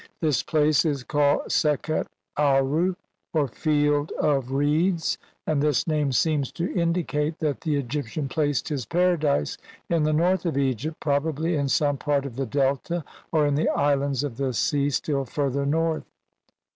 This place is called Sekhet Aaru or "Field of Reeds", and this name seems to indicate that the Egyptian placed his paradise in the north of Egypt, probably in some part of the Delta or in the islands of the sea still further north.